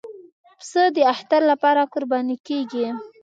پسه د اختر لپاره قرباني کېږي.